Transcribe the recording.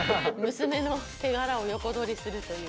娘の手柄を横取りするという。